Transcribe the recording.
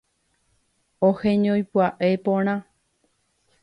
Oheñói pya'e porã.